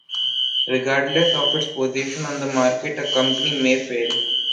Regardless of its position on the market, a company may fail.